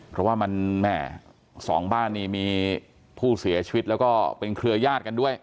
เพราะว่าสองบ้านนี้มีผู้เสียชีวิตและเครือยาทกัน